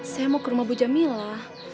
saya mau ke rumah bu jamila